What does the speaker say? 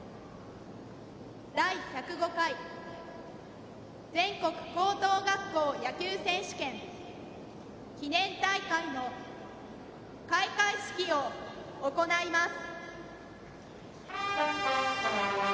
第１０５回全国高等学校野球選手権記念大会を行います。